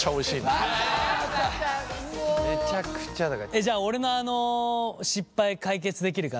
じゃ俺のあの失敗解決できるかな。